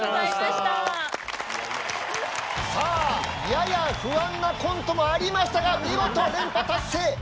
さあやや不安なコントもありましたが見事連覇達成。